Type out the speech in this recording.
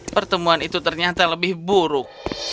pertemuan itu ternyata lebih buruk